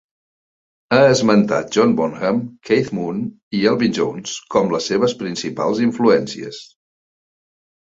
Ha esmentat John Bonham, Keith Moon i Elvin Jones com les seves principals influències.